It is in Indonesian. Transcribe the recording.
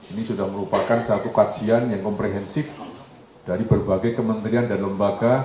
ini sudah merupakan satu kajian yang komprehensif dari berbagai kementerian dan lembaga